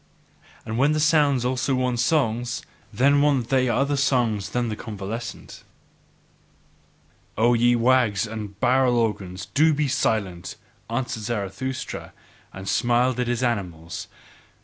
And when the sound also want songs, then want they other songs than the convalescent." "O ye wags and barrel organs, do be silent!" answered Zarathustra, and smiled at his animals.